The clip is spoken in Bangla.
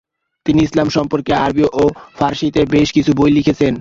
তিনি ইসলাম সম্পর্কে আরবি ও ফারসিতে বেশ কিছু বই লিখেছেন।